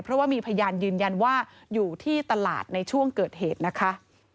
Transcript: เพราะว่ามีพยานยืนยันว่าอยู่ที่ตลาดในช่วงเกิดเหตุนะคะ